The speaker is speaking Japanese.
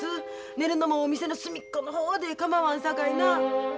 寝るのも店の隅っこの方で構わんさかいな。